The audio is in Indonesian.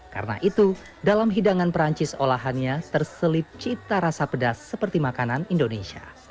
karena itu dalam hidangan prancis olahannya terselip cita rasa pedas seperti makanan indonesia